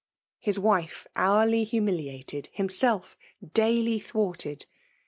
his wife hourly humi liated> himself daily thwarted.